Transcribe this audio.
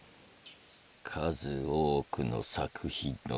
「数多くの作品の１つ」。